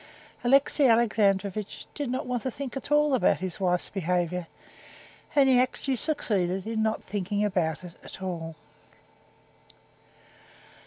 Alexey Alexandrovitch did not want to think at all about his wife's behavior, and he actually succeeded in not thinking about it at all.